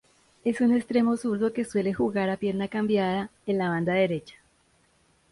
Es un extremo zurdo que suele jugar a pierna cambiada, en la banda derecha.